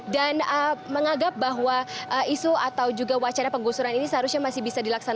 dan mengagap bahwa isu atau juga wacara penggusuran ini seharusnya masih bisa dilaksanakan